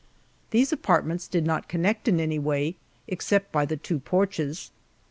These apartments did not connect in any way, except by the two porches.